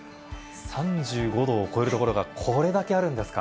３５度を超えるところがこれだけあるんですか。